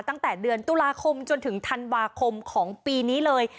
ตั้งแต่เดือนตุลาคมจนถึงธันวาคมของปีนี้เลย